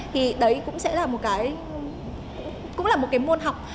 thì đấy cũng sẽ là một cái cũng là một cái môn học